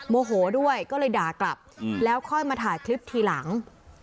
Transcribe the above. โมโหด้วยก็เลยด่ากลับแล้วค่อยมาถ่ายคลิปทีหลัง